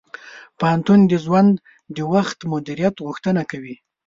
د پوهنتون ژوند د وخت مدیریت غوښتنه کوي.